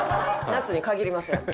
夏に限りません。